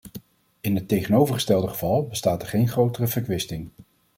In het tegenovergestelde geval bestaat er geen grotere verkwisting.